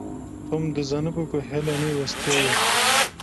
Tom dizanibû ku Helenê westiyaye.